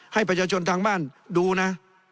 ให้ประชาชนทางบ้านดูนะ